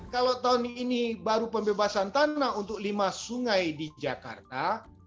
kalau tahun ini baru pembebasan tanah untuk lima sungai di jakarta